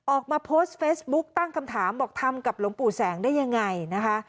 ออกมาโพสต์เฟซบุ๊คตั้งคำถามบอกทำกับหลวงปู่แสงได้ยังไงนะคะ